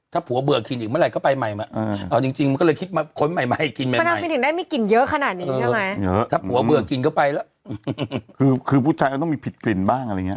ถ้าผัวเบื่อกินก็ไปแล้วคือคือผู้ชายต้องมีผิดกลิ่นบ้างอะไรเงี้ย